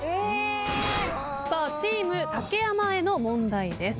チーム竹山への問題です。